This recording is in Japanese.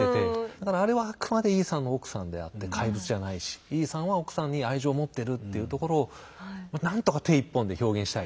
だからあれはあくまでイーサンの奥さんであって怪物じゃないしイーサンは奥さんに愛情を持ってるっていうところをまあ何とか手１本で表現したい。